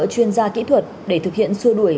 chuyên gia kỹ thuật để thực hiện xua đuổi